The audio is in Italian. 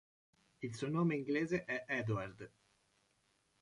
Il suo nome inglese è Edward.